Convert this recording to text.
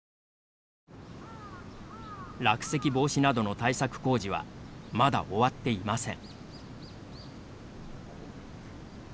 落石防止などの対策工事はまだ終わっていません。